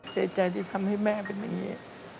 เศษใจที่ทำให้แม่เป็นแบบนี้